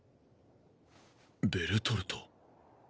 ベルトルト。